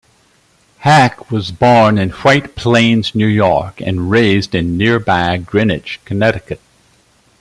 Hack was born in White Plains, New York and raised in nearby Greenwich, Connecticut.